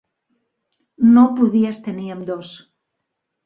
No podies tenir ambdós.